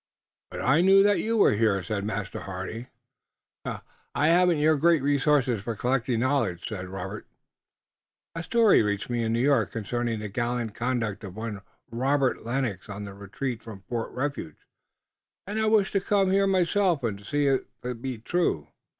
"But I knew that you were here," said Master Hardy. "I haven't your great resources for collecting knowledge." "A story reached me in New York concerning the gallant conduct of one Robert Lennox on the retreat from Fort Refuge, and I wished to come here myself and see if it be true."